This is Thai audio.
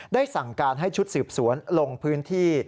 สั่งการให้ชุดสืบสวนลงพื้นที่